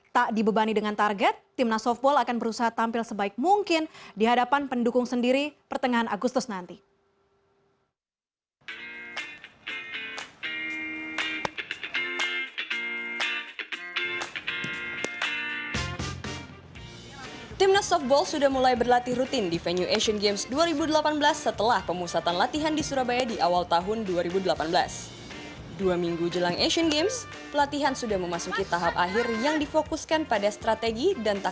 tak dibebani dengan target timnas softball akan berusaha tampil sebaik mungkin di hadapan pendukung sendiri pertengahan agustus nanti